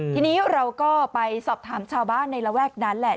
ทีนี้เราก็ไปสอบถามชาวบ้านในระแวกนั้นแหละ